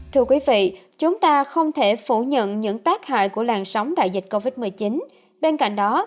thưa quý vị chúng ta không thể phủ nhận những tác hại của làn sóng đại dịch covid một mươi chín bên cạnh đó